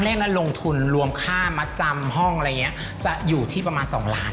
เลขนั้นลงทุนรวมค่ามัดจำห้องอะไรอย่างนี้จะอยู่ที่ประมาณ๒ล้าน